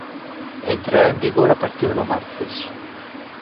Entrará en vigor a partir do martes.